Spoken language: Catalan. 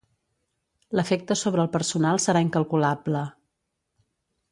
L'efecte sobre el personal serà incalculable.